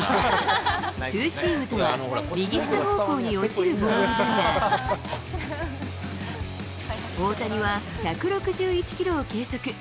ツーシームとは、右下方向に落ちるボールだが、大谷は１６１キロを計測。